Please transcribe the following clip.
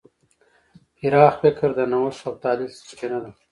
پراخ فکر د نوښت او تخیل سرچینه ده.